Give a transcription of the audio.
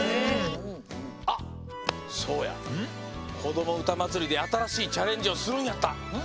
あっそうや「こどもうたまつり」であたらしいチャレンジをするんやった。